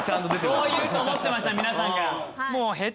そう言うと思ってました皆さんが。